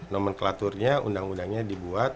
nomenklaturnya undang undangnya dibuat